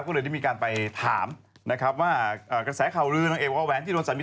ก็เลยได้มีการไปถามนะครับว่ากระแสข่าวลือนางเอกวาแหวนที่โดนสามี